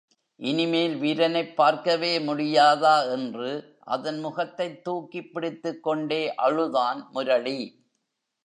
இனிமேல்வீரனைப் பார்க்கவே முடியாதா? என்று அதன் முகத்தைத் தூக்கிப் பிடித்துக்கொண்டே அழுதான் முரளி.